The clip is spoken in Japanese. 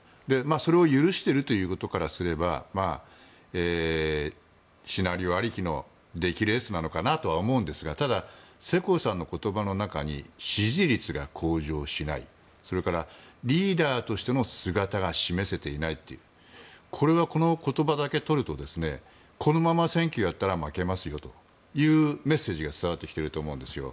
それを許しているということからすればシナリオありきの出来レースなのかなとは思うんですがただ、世耕さんの言葉の中に支持率が向上しないそれから、リーダーとしての姿が示せていないというこれはこの言葉だけ取るとこのまま選挙をやったら負けますよというメッセージが伝わってきていると思うんですよ。